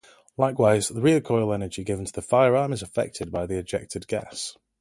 Likewise, the recoil energy given to the firearm is affected by the ejected gas.